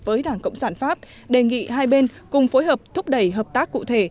với đảng cộng sản pháp đề nghị hai bên cùng phối hợp thúc đẩy hợp tác cụ thể